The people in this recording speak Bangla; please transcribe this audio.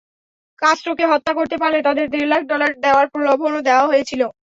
কাস্ত্রোকে হত্যা করতে পারলে তাদের দেড় লাখ ডলার দেওয়ার প্রলোভনও দেওয়া হয়েছিল।